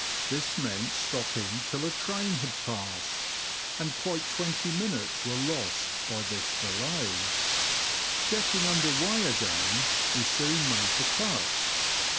This meant stopping till the train had passed, and quits twenty minutes were lost by this delay. Getting under weigh again, we soon made the Cut.